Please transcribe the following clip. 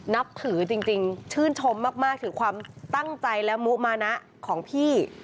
นับถือจริงชื่นชมมากถึงความตั้งใจและมุมานะของพี่